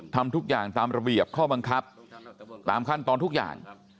ทำทุกอย่างตามระเบียบข้อบังคับตามขั้นตอนทุกอย่าง